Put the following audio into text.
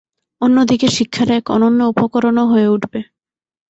অন্যদিকে, শিক্ষার এক অনন্য উপকরণও হয়ে উঠবে।